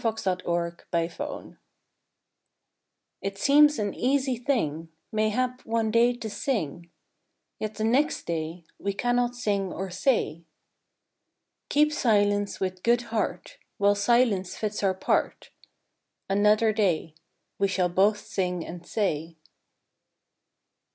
ANOTHER DAY. J T seems an easy thing Mayhap one day to sing, Yet the next day We cannot sing or say. Keep silence with good heart, While silence fits our part: Another day We shall both sing and say.